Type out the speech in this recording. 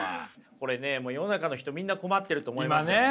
これねもう世の中の人みんな困ってると思います。